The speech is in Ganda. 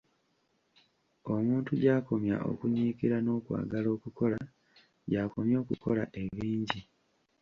Omuntu gy'akomya okunyiikira n'okwagala okukola, gy'akomya okukola ebingi.